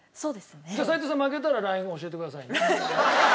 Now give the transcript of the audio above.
じゃあ齋藤さん負けたらＬＩＮＥ教えてくださいね。